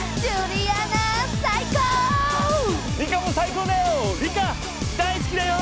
リカも最高だよ！